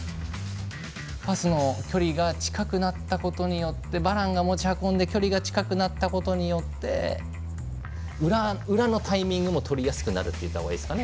パスの距離が近くなったことによってバランが持ち運んで距離が近くなったことによって裏のタイミングも取りやすくなるといったほうがいいですかね